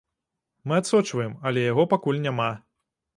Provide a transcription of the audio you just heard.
Мы адсочваем, але яго пакуль няма.